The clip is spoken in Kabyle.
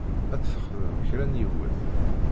Ad t-texdem kra n yiwet.